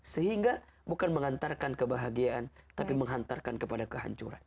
sehingga bukan mengantarkan kebahagiaan tapi menghantarkan kepada kehancuran